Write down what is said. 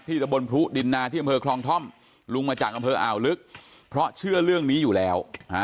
ตะบนพรุดินนาที่อำเภอคลองท่อมลุงมาจากอำเภออ่าวลึกเพราะเชื่อเรื่องนี้อยู่แล้ว